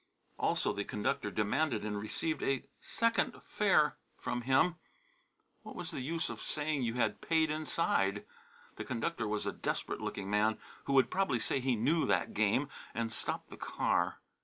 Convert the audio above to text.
Also, the conductor demanded and received a second fare from him. What was the use of saying you had paid inside? The conductor was a desperate looking man who would probably say he knew that game, and stop the car....